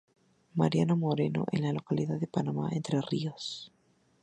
Mariano Moreno de la localidad de Paraná, Entre Ríos.